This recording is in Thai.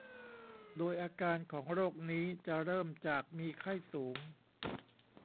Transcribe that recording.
โดยอาการของโรคนี้จะเริ่มจากมีไข้สูง